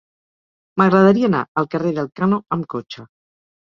M'agradaria anar al carrer d'Elkano amb cotxe.